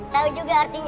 tau juga artinya